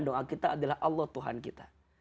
doa kita adalah allah tuhan kita